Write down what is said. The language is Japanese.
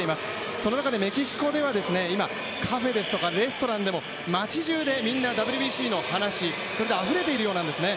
その中でメキシコではカフェですとかレストランでも町じゅうでみんなＷＢＣの話であふれているようなんですね。